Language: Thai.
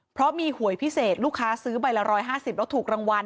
เพราะมีหวยพิเศษลูกค้าซื้อใบละ๑๕๐แล้วถูกรางวัล